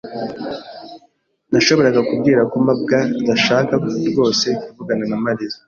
Nashoboraga kubwira ko mabwa adashaka rwose kuvugana na Mariya.